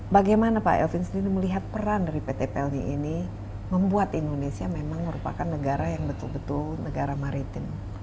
bagaimana pak elvin sendiri melihat peran dari pt pelni ini membuat indonesia memang merupakan negara yang betul betul negara maritim